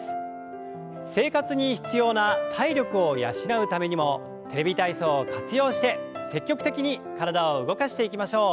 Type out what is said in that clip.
生活に必要な体力を養うためにも「テレビ体操」を活用して積極的に体を動かしていきましょう。